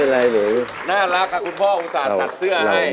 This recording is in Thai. เพลงนี้อยู่ในอาราบัมชุดแรกของคุณแจ็คเลยนะครับ